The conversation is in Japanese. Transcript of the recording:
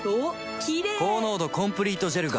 キレイ高濃度コンプリートジェルが